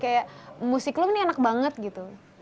kayak musik lo ini enak banget gitu